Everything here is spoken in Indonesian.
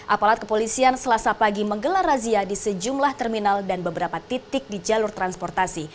aparat kepolisian selasa pagi menggelar razia di sejumlah terminal dan beberapa titik di jalur transportasi